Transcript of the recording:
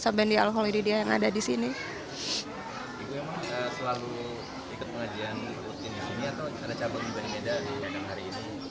ibu emang selalu ikut pengajian rutin di sini atau ada cabang di medan hari ini